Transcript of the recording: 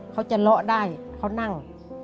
เขาจะเลาะได้เขานั่ง